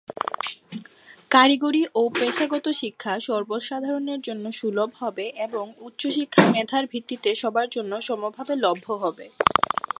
কারিগরি ও পেশাগত শিক্ষা সর্বসাধারণের জন্য সুলভ হবে এবং উচ্চশিক্ষা মেধার ভিত্তিতে সবার জন্য সমভাবে লভ্য হবে।